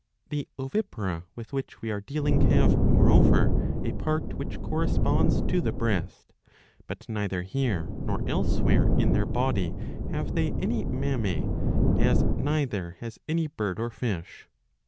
The ovipara with which we are dealing have, moreover, a part which corresponds to the breast ; but neither here nor elsewhere in their body have they any mammae, as neither has any bird or fish.